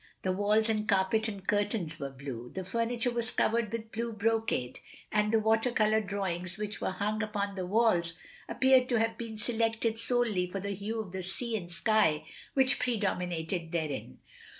The walls and carpet and curtains were blue; the furniture was covered with blue brocade; and the water colour drawings which were hung upon the walls appeared to have been selected solely for the hue of the sea and sky, which pre dominated therein.